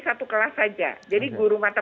satu kelas saja jadi guru mata